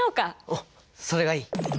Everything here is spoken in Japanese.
うんそれがいい！